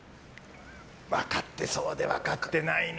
分かってそうで分かってないな。